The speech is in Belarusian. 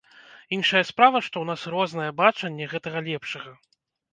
Іншая справа, што ў нас рознае бачанне гэтага лепшага.